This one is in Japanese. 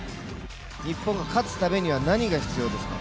日本が勝つためには何が必要ですか？